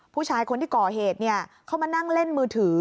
ผู้ชายคนที่ก่อเหตุเข้ามานั่งเล่นมือถือ